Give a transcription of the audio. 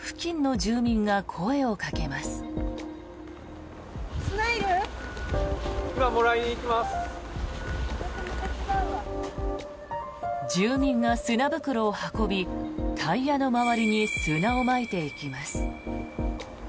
住民が砂袋を運びタイヤの周りに砂をまいていきます。